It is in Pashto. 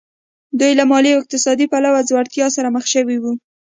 دوی له مالي او اقتصادي پلوه ځوړتیا سره مخ شوي وو